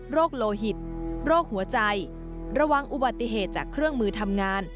โลหิตโรคหัวใจระวังอุบัติเหตุจากเครื่องมือทำงาน